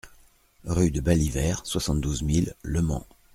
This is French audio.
Rue de Balyver, soixante-douze mille Le Mans